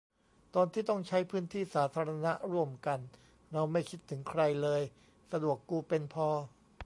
ตอนที่ต้องใช้พื้นที่สาธารณะร่วมกัน เราไม่คิดถึงใครเลย สะดวกกูเป็นพอ